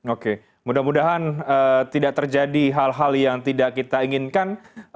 oke mudah mudahan tidak terjadi hal hal yang tidak kita inginkan